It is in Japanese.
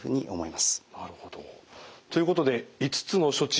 なるほど。ということで５つの処置